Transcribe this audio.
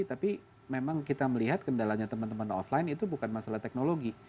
tapi memang kita melihat kendalanya teman teman offline itu bukan masalah teknologi